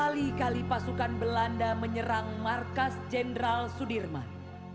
kali kali pasukan belanda menyerang markas jenderal sudirman